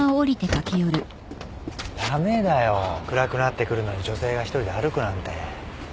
駄目だよ暗くなってくるのに女性が一人で歩くなんて。